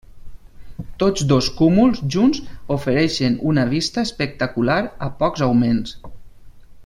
Tots dos cúmuls junts ofereixen una vista espectacular a pocs augments.